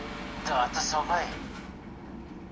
ذهن مو د نویو موندنو لپاره تږی وساتئ.